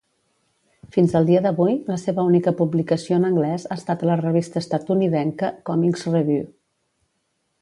Fins al dia d'avui, la seva única publicació en anglès ha estat a la revista estatunidenca 'Comics Revue'.